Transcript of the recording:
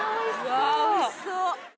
うわおいしそう。